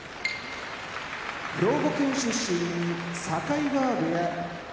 兵庫県出身境川部屋